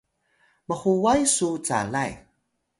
mhuway su calay